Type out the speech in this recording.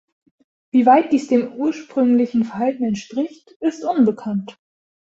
Wie weit dies dem ursprünglichen Verhalten entspricht, ist unbekannt.